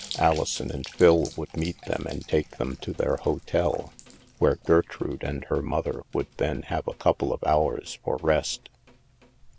Alison and Phil would meet them and take them to their hotel, where Gertrude and her mother would then have a couple of hours for rest.